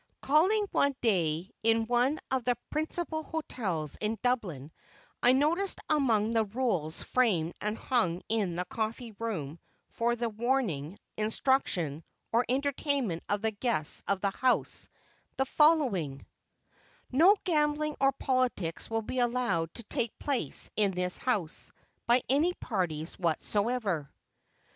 Calling one day in one of the principal hotels in Dublin, I noticed among the "rules" framed and hung in the coffee room for the warning, instruction, or entertainment of the guests of the house, the following: "No Gambling or Politics will be allowed to take place in this house, by any parties whatever."